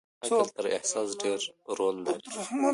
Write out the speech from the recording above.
عقل تر احساس ډېر رول لري.